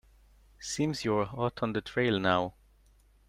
Seems you're hot on the trail now.